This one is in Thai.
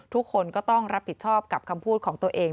ทุกคนก็ต้องรับผิดชอบกับคำพูดของตัวเอง